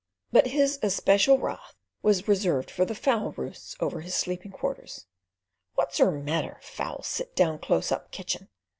But his especial wrath was reserved for the fowl roosts over his sleeping quarters. "What's 'er matter! Fowl sit down close up kitchen!"